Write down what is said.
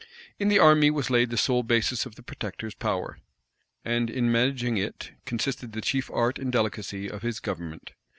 In the army was laid the sole basis of the protector's power; and in managing it consisted the chief art and delicacy of his government.